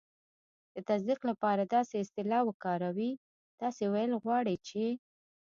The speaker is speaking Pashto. د تصدیق لپاره داسې اصطلاح وکاروئ: "تاسې ویل غواړئ چې..."